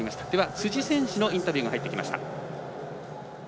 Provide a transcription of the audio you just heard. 辻選手のインタビューが入ってきました。